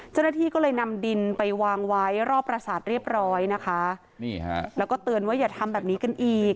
เจ้าหน้าที่ก็เลยนำดินไปวางไว้รอบประสาทเรียบร้อยนะคะนี่ฮะแล้วก็เตือนว่าอย่าทำแบบนี้กันอีก